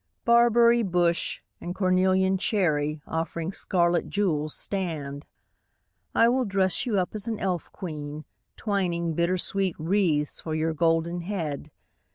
Barberry bush and cornelian cherry Offering scarlet jewels stand. I will dress you up as an elf queen, twining Bittersweet wreaths for your golden head.